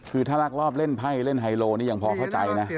คือถ้ารักรอบเล่นไพ่เล่นไฮโลนี่ยังพอเข้าใจนะ